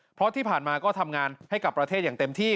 เพราะที่ผ่านมาก็ทำงานให้กับประเทศอย่างเต็มที่